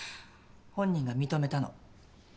本人が認めたの。